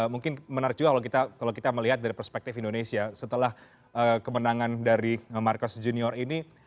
mungkin menarik juga kalau kita melihat dari perspektif indonesia setelah kemenangan dari marcos junior ini